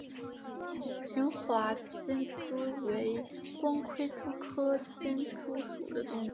平滑间蛛为光盔蛛科间蛛属的动物。